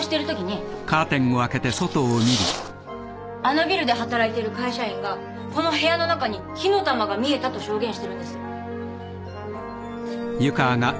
あのビルで働いてる会社員がこの部屋の中に火の玉が見えたと証言してるんです。